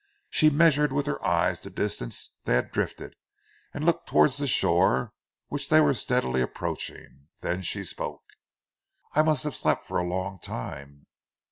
She measured with her eyes the distance they had drifted, and looked towards the shore which they were steadily approaching, then she spoke. "I must have slept for a long time."